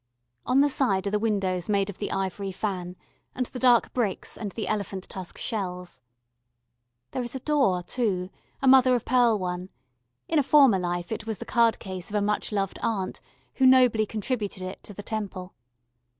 On the side are the windows made of the ivory fan, and the dark bricks and the elephant tusk shells. There is a door, too, a mother of pearl one; in a former life it was the card case of a much loved aunt, who nobly contributed it to the Temple.